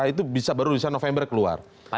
itu bisa baru bisa november keluar